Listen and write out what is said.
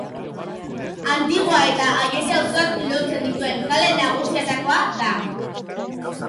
Antigua eta Aiete auzoak lotzen dituen kale nagusietakoa da.